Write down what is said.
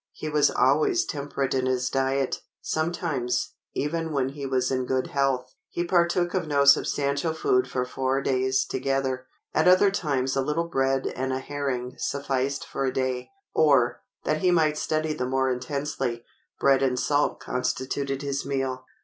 He was always temperate in his diet. Sometimes, even when he was in good health, he partook of no substantial food for four days together. At other times a little bread and a herring sufficed for a day; or, that he might study the more intensely, bread and salt constituted his meal.